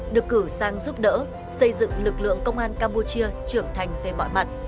được cử sang giúp đỡ xây dựng lực lượng công an campuchia trưởng thành về mọi mặt